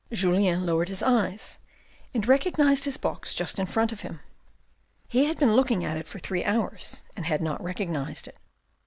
Julien lowered his eyes, and recognised his box just in front of him. He had been looking at it for three hours and had not recognised it.